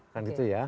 kan gitu ya